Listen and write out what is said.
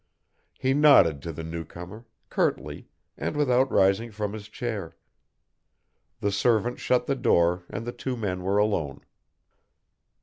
He nodded to the newcomer, curtly, and without rising from his chair; the servant shut the door and the two men were alone.